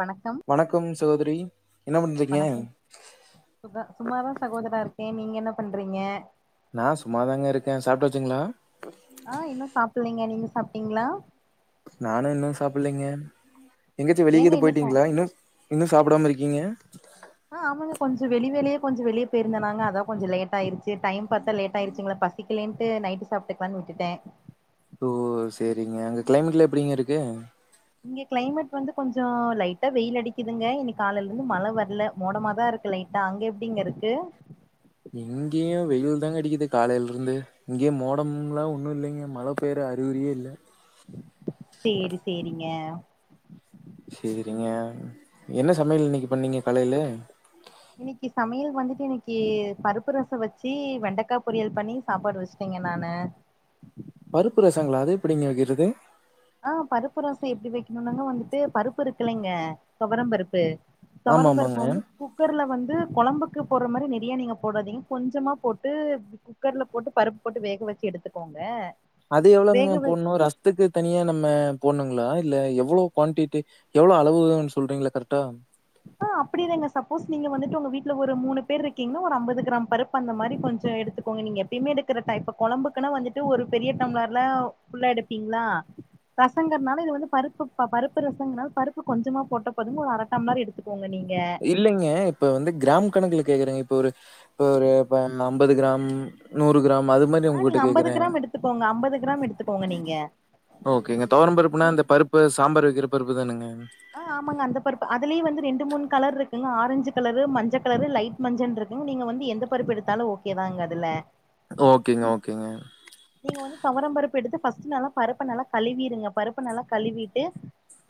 வணக்கம் வணக்கம் சகோதரி என்ன பண்றீங்க வணக்கம் சுக சும்மாதா சகோதரா இருக்கே நீங்க என்ன பண்றீங்க நா சும்மாதாங்க இருக்க சாப்டாச்சுங்ளா அ இன்னு சாப்பலேங்க நீங்க சாப்ட்டீங்களா நானு இன்னு சாப்பிட்லேங்க எங்கயாச்சு ஏங்க வெளியகீது இன்னு சா போயிட்டிங்களா இன்னு இன்னு சாப்டாம இருக்கீங்க அ ஆமாங்க கொஞ்சோ வெளி வெளியே கொஞ்சோ வெளிய போயிருந்த நாங்க அதா கொஞ்சோ லேட் ஆயிடுச்சு டைம் பாத்தா லேட்டாயிச்சுங்களா பஸ் சிக்கலேன்ட்டு நைட்டு சாப்ட்டுக்கலான் வுட்டுட்டே ஓ சேரிங்க அங்க க்ளைமேட்லா எப்டிங்க இருக்கு இங்க க்ளைமேட் வந்து கொஞ்சோ லைட்டா வெயில் அடிக்குதுங்க இன்னிக் காலைலிருந்து மழ வரல மோடமாதா இருக் லைட்டா அங்க எப்டிங்க இருக்கு இங்கயு வெயில் தாங்க அடிகிது காலைலிர்ந்து இங்கேய மோடம்லா ஒன்னு இல்லேங்க மழ பெய்ற அறிகுறியே இல்ல சேரி சேரிங்க சேரிங்க என்ன சமையல் இன்னைக்கு பண்ணீங்க காலைல இன்னிக்கி சமையல் வந்துட்டு இன்னிக்கி பருப்பு ரசோ வச்சி வெண்டக்கா பொரியல் பண்ணி சாப்பாடு வெச்சுட்டேங்க நானு பருப்பு ரசங்ளா அது எப்டிங்க வெக்கிறது ஆ பருப்பு ரசோ எப்டி வைக்கணுனாங்க வந்துட்டு பருப்பு இருக்குலேங்க தொவரம் பருப்பு ஆமாம் தொவரம் பருப்பு ஆமாங்க வந்து கு குக்கர்ல வந்து கொழம்புக்கு போடுற மாரி நெறைய நீங்க போடாதீங்க கொஞ்சமா போட்டு குக்கர்ல போட்டு பருப் போட்டு வேக வச்சு எடுத்துக்கோங்க அது எவ்ளோங்க வேக வ போட்ணு ரஸ்த்துக்கு தனியா நம்ம போட்ணுங்ளா இல்ல எவ்ளோ க்வான்டிட்டி எவ்ளோ அளவுனு சொல்றீங்ள கரட்டா ஆ அப்படிதாங்க சப்போஸ் நீங்க வந்துட்டு உங்க வீட்ல ஒரு மூணு பேர் இருக்கீங்கன்னா ஒரு அம்பது கிராம் பருப்பு அந்த மாதிரி கொஞ்சோ எடுத்துக்கோங்க நீங்க எப்பயுமே எடுக்கிற டைப் குளம்புக்குன்னா வந்துட்டு ஒரு பெரிய டம்ப்ளர்ல ஃபுல்லா எடுப்பீங்ளா ரசங்கர்னால இது வந்து பருப்பு பருப்பு ரசங்னால பருப்பு கொஞ்சமா போட்ட போதுங்க ஒரு அரட்டம்லர் எடு எத்துக்கோங்க நீங்க இல்லைங்க இப்ப வந்து க்ராம் கணக்ல கேக்குறங்க இப்ப ஒரு இப்ப ஒரு அம்பது கிராம் நூறு கிராம் அது மாரி ஆ உங்ககிட்ட நீங்க அம்பது கேட்குறேன். கிராம் எடுத்துக்கோங்க அம்பது கிராம் எடுத்துக்கோங்க நீங்க ஓகேங்க தொவரம் பருப்புனா நீ இந்த பருப்பு சாம்பார் வைக்கிற பருப்பு தானுங்க ஆ ஆமாங்க அந்த பருப்பு அதுலே வந்து ரெண்டு மூணு கலர் இருக்குங்க ஆரஞ்சு கலரு மஞ்ச கலரு லைட் மஞ்சன்ருக்குங் நீங்க வந்து எந்த பருப்பு எடுத்தாலு ஓகேதாங்க அதுல ஓகேங்க ஓகேங்க நீங்க வந்து தொவரம் பருப்பு எடுத்து ஃபஸ்ட் நல்லா பருப்ப நல்லா கழுவிருங்க பருப்ப நல்லா கழுவிட்டு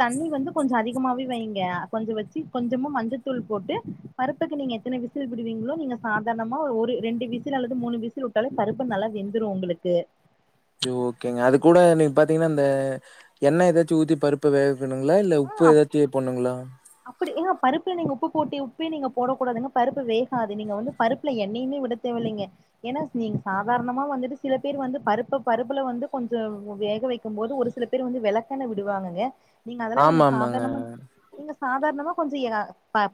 தண்ணி வந்து கொஞ்சோ அதிகமாவே வைங்க கொஞ்ச வச்சி கொஞ்சம மஞ்சத்தூள் போட்டு பருப்புக்கு நீங்க எத்தனை விசில் விடுவீங்க்ளோ நீங்க சாதாரணமா ஒரு ரெண்டு விசில் அல்லது மூணு விசில் உட் டாலே பருப்பு நல்லா வெந்துரு உங்களுக்கு ஓகேங்க அது கூட நீ பாத்திங்கன்னா அந்த எண்ண எதாச்சு ஊத்தி பருப் ப்பு வேக வைக்கணுங்ளா இல்ல ஆ உப்பு எல்லாத்தியு போட்ணுங்லா அப்படி ஏங்ங பருப்புல நீங்க உப்பு போட்டி உப்பே நீங்க போடக்கூடாதுங்க பருப்பு வேகாது நீங்க வந்து பருப்புல எண்ணையுமே விட தேவ இல்லிங்க ஏன்னா நீங்க சாதாரணமா வந்துட்டு சில பேர் வந்து பருப்பு பருப்புல வந்து கொஞ்சோ வேக வைக்கும் போது ஒரு சில பேர் வந்து வெளக்கெண்ண விடுவாங்ஙக நீங்க அதெல்லா வேணா ஆமாமாங்க. சாதாரணமா சாதார்ணமா கொஞ்சோ ஏ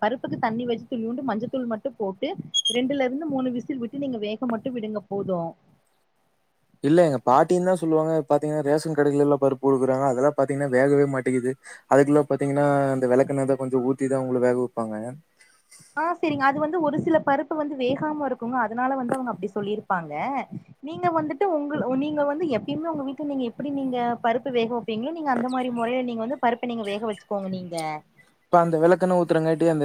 பருப்புக்கு தண்ணி வச்சு துளியூண்டு மஞ்சத்தூள் மட்டு போட்டு ரெண்டுலருந்து மூணு விசில் விட்டு நீங்க வேக மட்டு விடுங்க போது இல்ல எங்க பாட்டியுதா சொல்வாங்க பாத்தீங்க ரேஷன் கடைல உள்ள பருப்பு குடுக்குறாங்க அதெல்லா பாத்திங்ன்னா வேகவே மாட்டேங்குது அதுக்குல்ல பாத்திங்கன்னா அந்த வெளக்கெண்ணதா கொஞ்சோ ஊத்திதா அவுங்ளு வேக வப்பாங்க ஆ சேரிங்க அது வந்து ஒரு சில பருப்பு வந்து வேகாம இருக்குங்க அதனால வந்து அவங்க அப்டி சொல்லியிருப்பாங்க நீங்க வந்துட்டு உங்க நீங்க வந்து எப்பயுமே உங்க வீட்டு நீங்க எப்படி நீங்க பருப்பு வேக வை ப்பீங்ளோ ஏங்க நீங்க அந்த மாரி மொறையில நீங்க வந்து பருப்ப நீங்க வேக வச்சுக்கோங்க நீங்க இப்ப அந்த வெளக்கெண்ண ஊத்துறங்காட்டி அந்த